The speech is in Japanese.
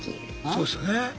そうですよね。